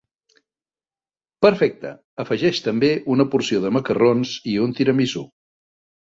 Perfecte, afegeix també una porció de macarrons, i un tiramisú.